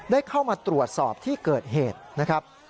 เข้ามาตรวจสอบที่เกิดเหตุนะครับ